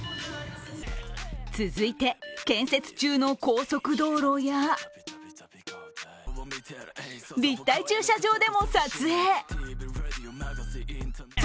続いて建設中の高速道路や立体駐車場でも撮影！